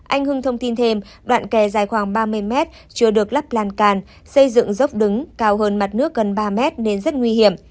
anh hưng thông tin thêm đoạn kè dài khoảng ba mươi mét chưa được lắp lan càn xây dựng dốc đứng cao hơn mặt nước gần ba mét nên rất nguy hiểm